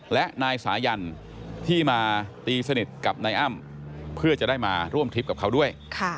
และนายสายันที่มาตีสนิทกับนายอ้ำเพื่อจะได้มาร่วมทริปกับเขาด้วย